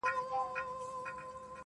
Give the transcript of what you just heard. حدِاقل چي ته مي باید پُخلا کړې وای.